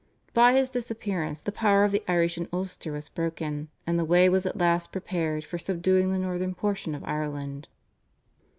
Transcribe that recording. By his disappearance the power of the Irish in Ulster was broken, and the way was at last prepared for subduing the northern portion of Ireland.